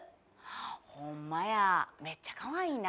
「ほんまやめっちゃかわいいな」